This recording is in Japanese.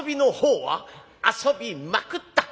「遊びまくった。